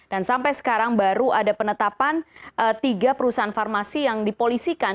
sampai sekarang baru ada penetapan tiga perusahaan farmasi yang dipolisikan